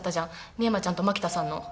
深山ちゃんと槙田さんの。